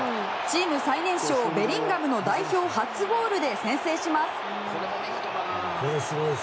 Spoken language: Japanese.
チーム最年少ベリンガムの代表初ゴールで先制します。